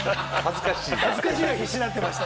恥ずかしいぐらい必死になってました。